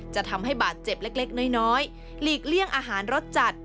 จะทำให้บาดเจ็บเล็กน้อยหลีกเลี่ยงอาหารรสจัด